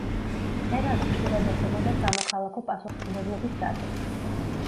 მწერალი ხშირად ეხებოდა სამოქალაქო პასუხისმგებლობის საკითხს.